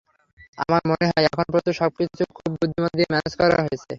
আমার মনে হয় এখন পর্যন্ত সব কিছু খুব বুদ্ধিমত্তা দিয়ে ম্যানেজ করা হয়েছে।